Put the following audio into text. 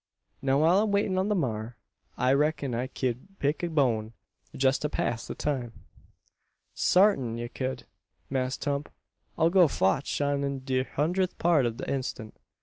Now, while I'm waitin' on the maar, I reck'n I ked pick a bone, jest to pass the time." "Sartin' ye cud, Mass Tump. I go fotch 'im in de hundreth part ob an instant."